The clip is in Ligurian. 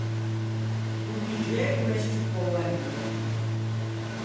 O figgeu o l’é scciuppou à rie.